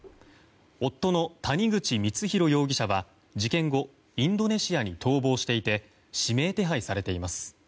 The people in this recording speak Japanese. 夫の谷口光弘容疑者は事件後インドネシアに逃亡していて指名手配されています。